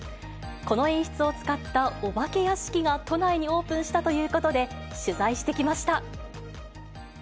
この演出を使ったお化け屋敷が都内にオープンしたということで、取材してきました。